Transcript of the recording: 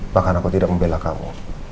bahkan aku tidak membela kamu